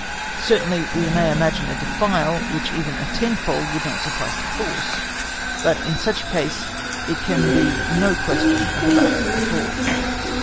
Certainly, we may imagine a defile which even tenfold would not suffice to force, but in such a case it can be no question of a battle at all.